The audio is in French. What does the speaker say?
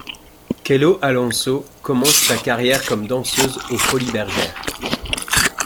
Chelo Alonso commence sa carrière comme danseuse aux Folies Bergère.